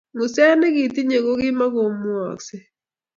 Nguset ne kitinyei ko kimukomwooksei